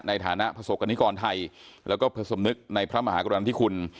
ในฐานะภาษกนิกรไทยแล้วก็เพราะสมนึกในพระมหากดรรมที่คุณ